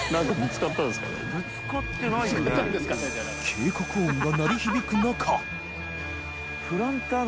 警告音が鳴り響く中ピー］